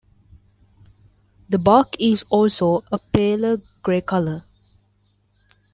The bark is also a paler gray color.